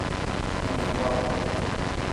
Me'n recordo.